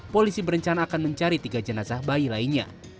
polisi berencana akan mencari tiga jenazah bayi lainnya